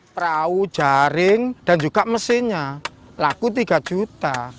perahu jaring dan juga mesinnya laku tiga juta